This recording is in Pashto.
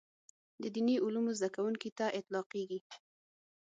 د دیني علومو زده کوونکي ته اطلاقېږي.